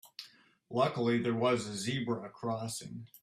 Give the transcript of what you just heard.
Luckily there was a zebra crossing.